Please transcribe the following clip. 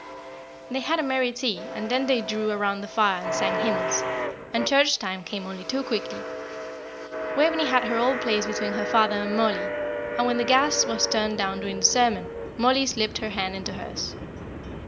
They had a merry tea, and then they drew round the fire and sang hymns; and church time came only too quickly. Waveney had her old place between her father and Mollie; and when the gas was turned down during the sermon, Mollie slipped her hand into hers.